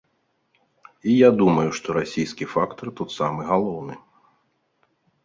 І я думаю, што расійскі фактар тут самы галоўны.